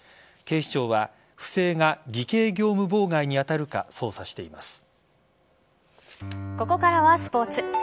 警視庁は不正が偽計業務妨害に当たるかここからはスポーツ。